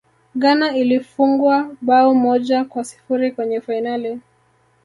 ghana ilifungwa bao moja kwa sifuri kwenye fainali